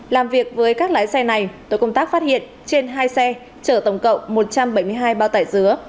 làm việc với các lái xe này tôi công tác phát hiện trên hai xe chở tổng cộng một trăm bảy mươi hai bao tải dứa